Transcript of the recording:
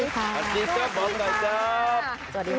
สวัสดีจ๊ะหมอไก่จ๊ะ